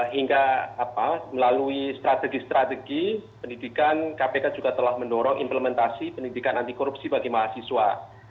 hingga melalui strategi strategi pendidikan kpk juga telah mendorong implementasi pendidikan anti korupsi bagi mahasiswa